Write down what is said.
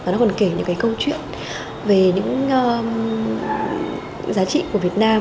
nó còn kể những cái câu chuyện về những giá trị của việt nam